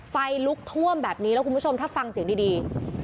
ไฟลุกท่วมแบบนี้แล้วคุณผู้ชมถ้าฟังเสียงดี